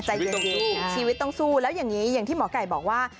ใจเย็นสู้ชีวิตต้องสู้แล้วอย่างนี้อย่างที่หมอไก่บอกว่า